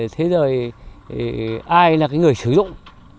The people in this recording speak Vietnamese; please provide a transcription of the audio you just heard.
thế rồi ai là cái người sử dụng